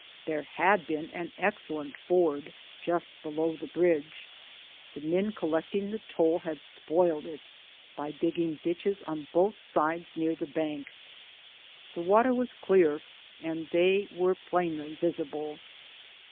There had been an excellent ford just below the bridge. The men collecting the toll had spoiled it by digging ditches on both sides near the bank. The water was clear, and they were plainly visible.